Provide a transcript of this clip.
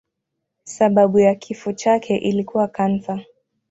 Sababu ya kifo chake ilikuwa kansa.